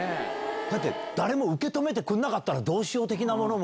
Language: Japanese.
だって、誰も受け止めてくれなかったら、どうしよう的なものも。